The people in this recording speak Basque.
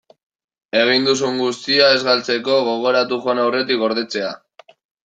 Egin duzun guztia ez galtzeko, gogoratu joan aurretik gordetzea.